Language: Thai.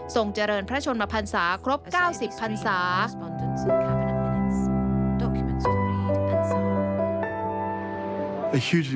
เจริญพระชนมพันศาครบ๙๐พันศา